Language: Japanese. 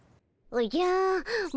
おじゃ。